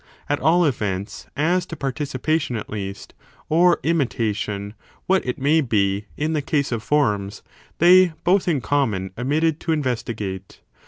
At all events, as to participation at least, or imitation, what it may be, in the case of forms, they both in common omitted to investigate.